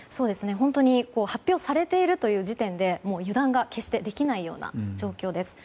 本当に発表されているという時点でもう、油断が決してできないような状況です。